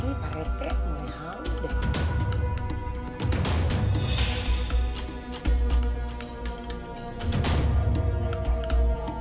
ini pak rt ini halu deh